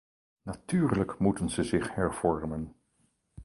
Natuurlijk moeten ze zich hervormen.